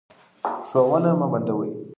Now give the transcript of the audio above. ښوونه مه بندوئ.